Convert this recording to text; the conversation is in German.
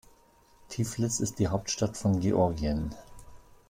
Tiflis ist die Hauptstadt von Georgien.